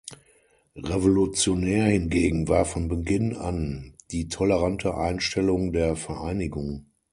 Revolutionär hingegen war von Beginn an die tolerante Einstellung der Vereinigung.